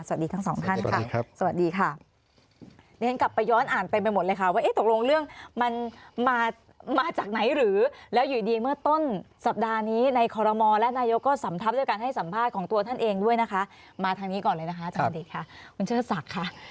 สวัสดีทั้งสองท่านค่ะสวัสดีครับสวัสดีครับสวัสดีครับ